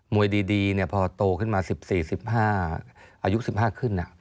วยดีพอโตขึ้นมา๑๔๑๕อายุ๑๕ขึ้น